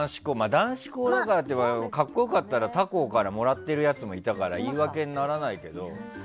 男子校でも格好良かったら、他校からもらっているやつもいたから言い訳にならないけど。